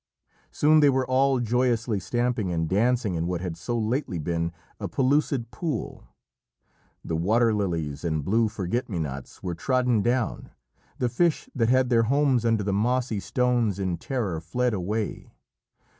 Soon they were all joyously stamping and dancing in what had so lately been a pellucid pool. The water lilies and blue forget me nots were trodden down, the fish that had their homes under the mossy stones in terror fled away.